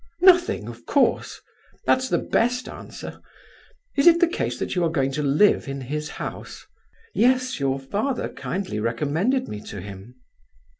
"Nothing—of course! That's the best answer. Is it the case that you are going to live in his house?" "Yes, your father kindly recommended me to him."